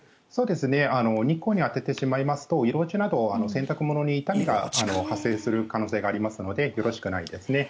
日光に当ててしまいますと色落ちなど洗濯物に傷みが発生する可能性がありますのでよろしくないですね。